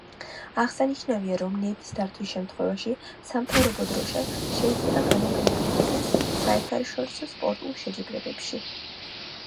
აღსანიშნავია, რომ ნების დართვის შემთხვევაში სამთავრობო დროშა შეიძლება გამოყენებულ იქნას საერთაშორისო სპორტულ შეჯიბრებებში.